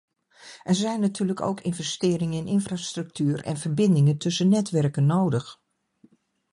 Er zijn natuurlijk ook investeringen in infrastructuur en verbindingen tussen netwerken nodig.